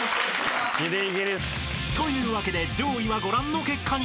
［というわけで上位はご覧の結果に］